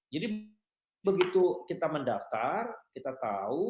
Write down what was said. jadi begitu kita mendaftar kita tahu